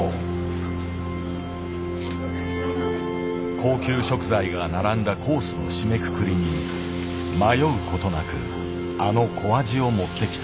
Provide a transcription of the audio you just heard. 高級食材が並んだコースの締めくくりに迷うことなくあの小アジを持ってきた。